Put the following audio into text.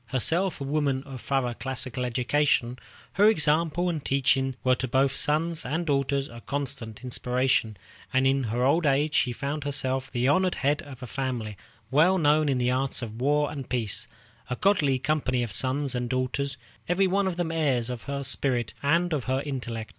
Herself a woman of thorough classical education, her example and teaching were to both sons and daughters a constant inspiration; and in her old age she found herself the honored head of a family well known in the arts of war and peace, a goodly company of sons and daughters, every one of them heirs of her spirit and of her intellect.